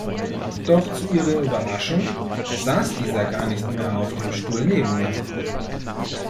Doch zu ihrer Überraschung saß dieser gar nicht mehr auf dem Stuhl neben ihr.